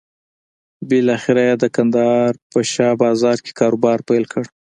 بالاخره یې د کندهار په شا بازار کې کاروبار پيل کړ.